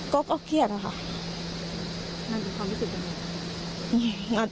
ก็เครียดอะค่ะ